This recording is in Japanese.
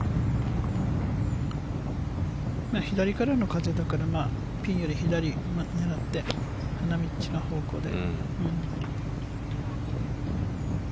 左からの風だからピンより左を狙って花道の方向で。